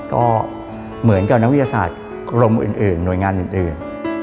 ก็เหมือนกับนักวิทยาศาสตร์กรมอื่นหน่วยงานอื่น